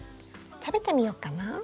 食べてみよっかな。